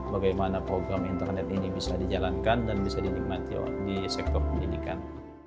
bagaimana program internet ini bisa dijalankan dan bisa dinikmati di sektor pendidikan